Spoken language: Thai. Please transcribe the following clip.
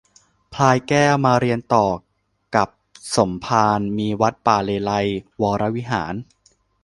พลายแก้วมาเรียนต่อกับสมภารมี วัดป่าเลไลยก์วรวิหาร